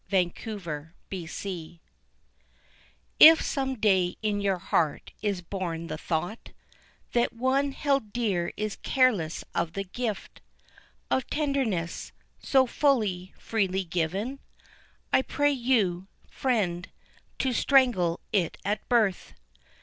A Fancied Loss If some day in your heart is born the thought That one held dear is careless of the gift Of tenderness, so fully, freely given, I pray you, friend, to strangle it at birth.